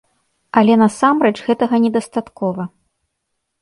Але насамрэч гэтага недастаткова.